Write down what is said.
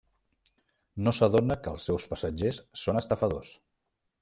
No s'adona que els seus passatgers són estafadors.